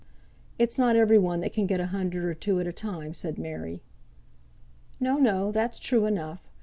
"It's not every one that can get a hundred or two at a time," said Mary. "No! no! that's true enough.